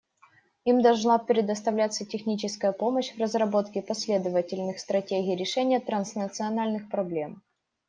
Им должна предоставляться техническая помощь в разработке последовательных стратегий решения транснациональных проблем.